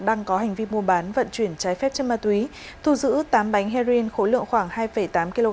đang có hành vi mua bán vận chuyển trái phép chân ma túy thu giữ tám bánh heroin khối lượng khoảng hai tám kg